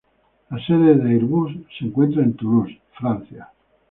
La sede de Airbus se encuentra en Toulouse, Francia.